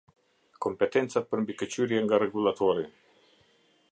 Kompetencat për mbikëqyrje nga Rregullatori.